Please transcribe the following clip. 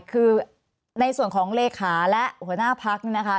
คือในส่วนของเลขาและหัวหน้าพัก